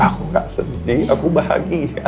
aku gak sedih aku bahagia